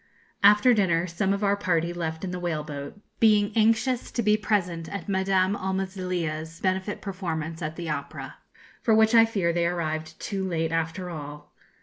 After dinner, some of our party left in the whale boat, being anxious to be present at Madame Almazilia's benefit performance at the opera, for which I fear they arrived too late after all.